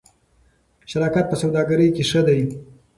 شراکت په سوداګرۍ کې ښه دی.